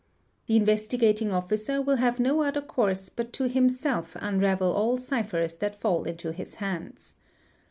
The Investigating Officer will have no other course bt to himself unravel all ciphers that fall into his hands.